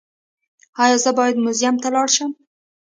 ایا زه باید موزیم ته لاړ شم؟